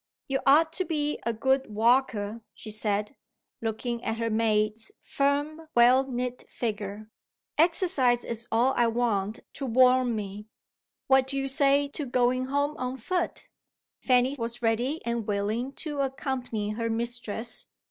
"You ought to be a good walker," she said, looking at her maid's firm well knit figure. "Exercise is all I want to warm me. What do you say to going home on foot?" Fanny was ready and willing to accompany her mistress.